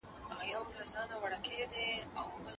مينه د مور له خوا ښکاره کيږي.